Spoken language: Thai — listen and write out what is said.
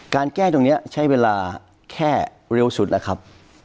แก้ตรงนี้ใช้เวลาแค่เร็วสุดแล้วครับ